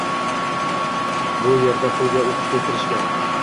Bu yerda pulga oʻqishga kirishgan